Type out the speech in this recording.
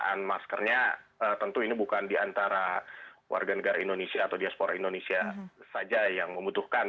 dan maskernya tentu ini bukan di antara warga negara indonesia atau diaspora indonesia saja yang membutuhkan